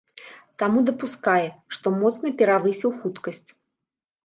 Таму дапускае, што моцна перавысіў хуткасць.